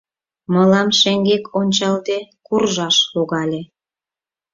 Мылам шеҥгек ончалде куржаш логале.